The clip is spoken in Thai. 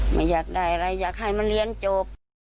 ไม่อยากได้อะไรอยากให้มันเรียนจบ